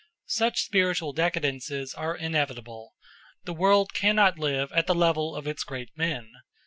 Such spiritual decadences are inevitable. The world cannot live at the level of its great men.